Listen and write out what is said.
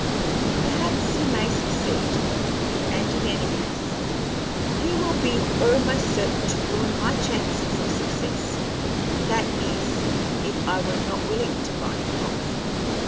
Perhaps he may succeed, and, in any case, he will be almost certain to ruin my chances of success that is, if I were not willing to buy him off.